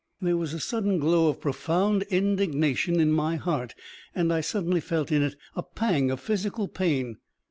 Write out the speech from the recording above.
There was a sudden glow of profound indignation in my heart, and I suddenly felt in it a pang of physical pain.